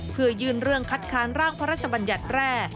เพื่อยื่นเรื่องคัดค้านร่างพระราชบัญญัติแร่